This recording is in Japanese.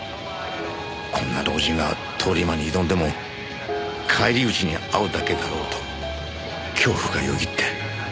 こんな老人が通り魔に挑んでも返り討ちに遭うだけだろうと恐怖がよぎって。